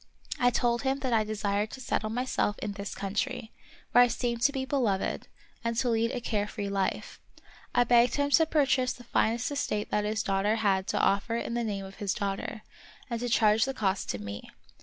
I told him that I desired to settle myself in this country, where I seemed to be beloved, and to lead a care free life. I begged him to pur chase the finest estate that the country had to offer in the name of his daughter, and to charge the cost to me.